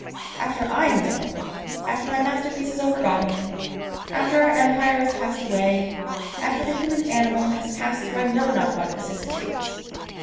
after I am dead, after my masterpieces are forgotten, after our Empire has passed away, after the human animal has passed through I know not what vicissitudes.